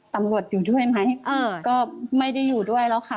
ตำรวจอยู่ด้วยไหมเออก็ไม่ได้อยู่ด้วยแล้วค่ะ